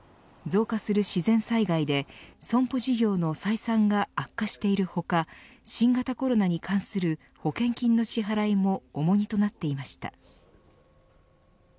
増加する自然災害で、損保事業の採算が悪化している他新型コロナに関する保険金の支払いも重荷となっていました。